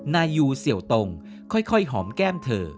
นายูเสี่ยวตรงค่อยหอมแก้มเธอ